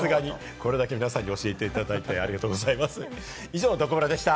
これほど皆さんに教えていただいて、ありがとうございました。